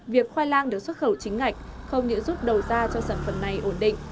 việc khoai lang được xuất khẩu chính ngạch không những giúp đầu ra cho sản phẩm này ổn định